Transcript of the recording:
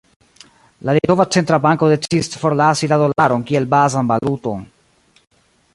La litova centra banko decidis forlasi la dolaron kiel bazan valuton.